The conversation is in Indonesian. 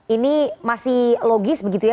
ini masih logis begitu ya